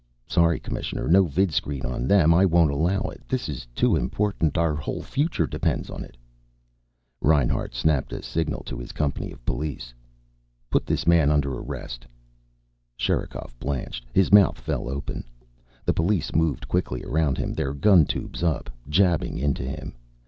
"Sorry, Commissioner. No vidscreen on them. I won't allow it. This is too important. Our whole future depends on it." Reinhart snapped a signal to his company of police. "Put this man under arrest." Sherikov blanched. His mouth fell open. The police moved quickly around him, their gun tubes up, jabbing into him.